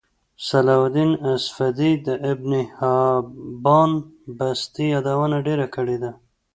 صلاحالدیناصفدی دابنحبانبستيیادونهډیره کړیده